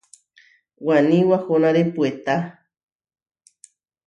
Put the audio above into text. Waní wahónare puetá.